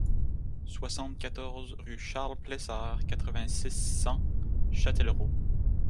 soixante-quatorze rue Charles Plessard, quatre-vingt-six, cent, Châtellerault